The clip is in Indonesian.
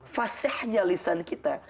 fasehnya lisan kita